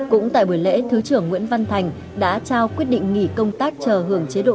cũng tại buổi lễ thứ trưởng nguyễn văn thành đã trao quyết định nghỉ công tác chờ hưởng chế độ